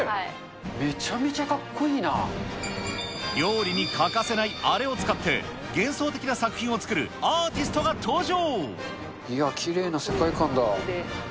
料理に欠かせないあれを使って、幻想的な作品を作るアーティストが登場。